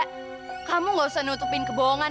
karena kamu gak usah nutupin kebohongan